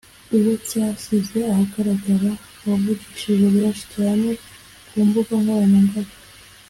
uwo cyashyize ahagaragara wavugishije benshi cyane ku mbuga nkoranyambaga